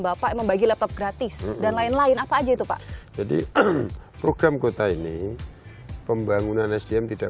bapak membagi laptop gratis dan lain lain apa aja itu pak jadi program kota ini pembangunan sdm tidak